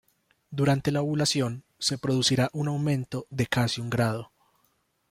Durante la ovulación se producirá un aumento de casi un grado.